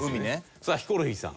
さあヒコロヒーさん。